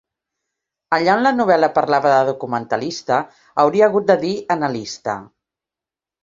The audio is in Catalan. Allà on la novel·la parlava de documentalista hauria hagut de dir analista.